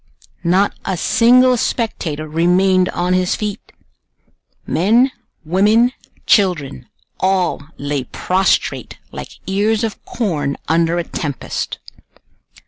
Not a single spectator remained on his feet! Men, women children, all lay prostrate like ears of corn under a tempest.